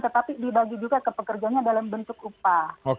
tetapi dibagi juga ke pekerjanya dalam bentuk upah